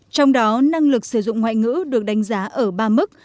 trong đó năng lực sử dụng ngoại ngữ được đánh giá ở ba mức